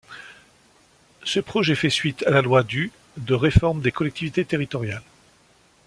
Ce projet fait suite à la loi du de réforme des collectivités territoriales.